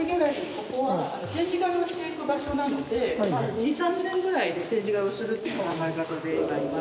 ここは展示替えをしていく場所なので２３年ぐらいで展示替えをするという考え方でございます。